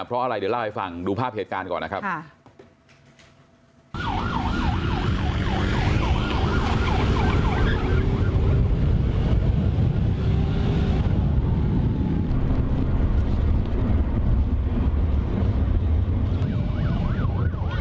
เพราะอะไรเดี๋ยวเล่าให้ฟังดูภาพเหตุการณ์ก่อนนะครับ